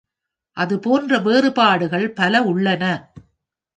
அதுபோன்ற வேறுபாடுகள் பல உள்ளன.